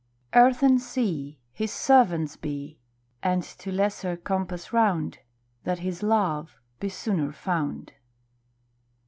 Earth and sea His servants be, And to lesser compass round, That his love be sooner found.